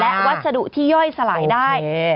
และวัสดุที่ย่อยสลายได้